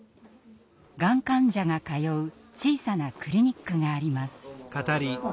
がん患者が通う小さなクリニックがあります。